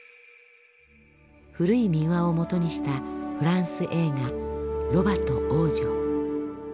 古い民話をもとにしたフランス映画「ロバと王女」。